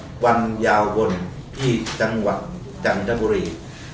ตั้งศพที่วัดวันยาววลที่จังหวัดจังหญิงตะบุรี